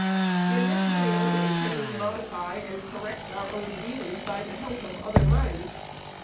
In this way only can we modify and correct our own views by the help of other minds.